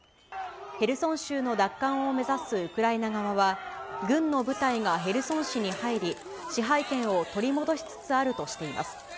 ヘルソン州の奪還を目指すウクライナ側は、軍の部隊がヘルソン市に入り、支配権を取り戻しつつあるとしています。